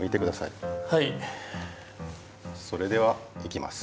それではいきます。